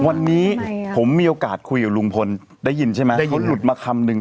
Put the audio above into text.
วันนี้ผมมีโอกาสคุยกับลุงพลได้ยินใช่ไหมได้ยินหลุดมาคำนึง